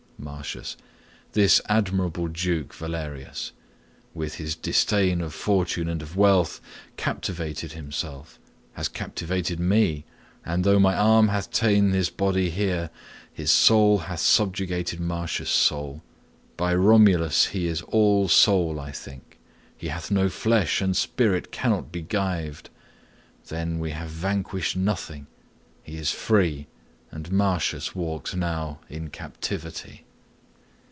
Martius. This admirable duke, Valerius, With his disdain of fortune and of death, Captived himself, has captivated me, And though my arm hath ta'en his body here, His soul hath subjugated Martius' soul. By Romulus, he is all soul, I think; He hath no flesh, and spirit cannot be gyved; Then we have vanquished nothing; he is free, And Martius walks now in captivity.